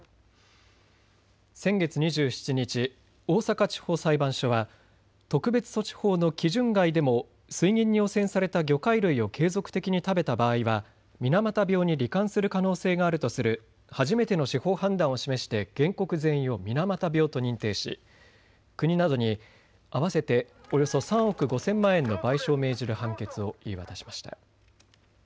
先月２７日、大阪地方裁判所は特別措置法の基準外でも水銀に汚染された魚介類を継続的に食べた場合は水俣病にり患する可能性があるとする初めての司法判断を示して原告全員を水俣病と認定し国などに合わせておよそ３億５０００万円の賠償を命じる判決を言い渡しました。